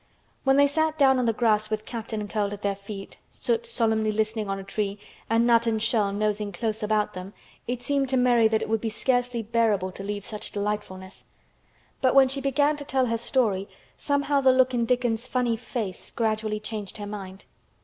When they sat down on the grass with Captain curled at their feet, Soot solemnly listening on a tree and Nut and Shell nosing about close to them, it seemed to Mary that it would be scarcely bearable to leave such delightfulness, but when she began to tell her story somehow the look in Dickon's funny face gradually changed her mind.